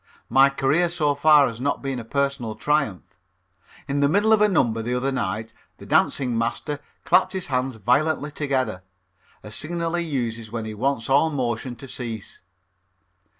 My career so far has not been a personal triumph. In the middle of a number, the other night, the dancing master clapped his hands violently together, a signal he uses when he wants all motion to cease.